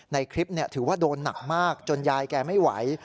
ในคลิปถือว่าโดนหนักมากจนยายแกไม่ไหว